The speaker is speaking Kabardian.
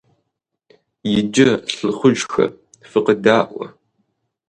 Иджы, лӀыхъужьхэ, фыкъэдаӀуэ!